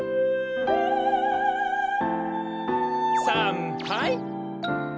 さんはい！